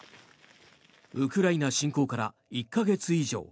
ウクライナ侵攻から１か月以上。